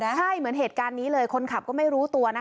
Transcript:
ใช่เหมือนเหตุการณ์นี้เลยคนขับก็ไม่รู้ตัวนะคะ